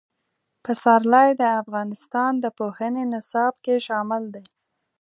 پسرلی د افغانستان د پوهنې نصاب کې شامل دي.